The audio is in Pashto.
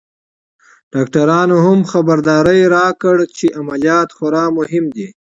ډاکترانو هم خبرداری راکړ چې عمليات خورا مهم دی.